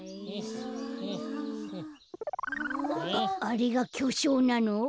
あれがきょしょうなの？